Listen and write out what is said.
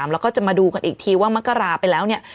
แล้วก็จะมาดูกันอีกทีว่ามักกราไปแล้วเนี่ย